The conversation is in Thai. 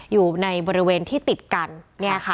อยู่ในบริเวณที่ติดกัน